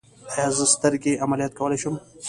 ایا زه سترګې عملیات کولی شم؟